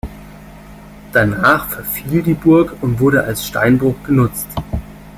Danach verfiel die Burg und wurde als Steinbruch genutzt.